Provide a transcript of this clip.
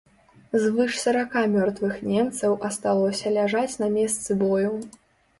Звыш сарака мёртвых немцаў асталося ляжаць на месцы бою.